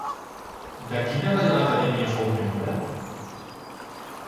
De quina Reial Acadèmia fou membre?